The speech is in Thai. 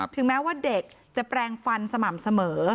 ถึงแม้ว่าเด็กจะแปลงฟันสม่ำเสมอ